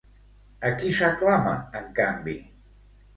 A qui s'aclama, en canvi?